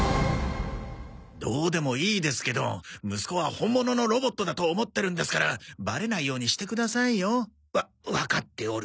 どうでもいいですけど息子は本物のロボットだと思ってるんですからバレないようにしてくださいよ。わわかっておる。